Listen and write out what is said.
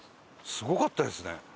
すごかったですね。